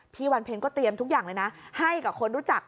วันเพลงก็เตรียมทุกอย่างเลยนะให้กับคนรู้จัก